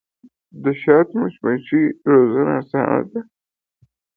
د شاتو مچیو روزنه اسانه ده؟